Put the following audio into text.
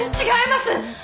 違います！